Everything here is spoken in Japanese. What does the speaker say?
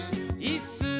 いっすー！」